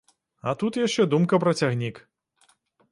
А тут яшчэ думка пра цягнік.